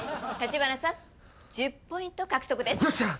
橘さん１０ポイント獲得です。